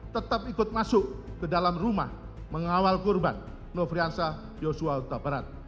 tetap ikut masuk ke dalam rumah mengawal korban nofriansah yosua utabarat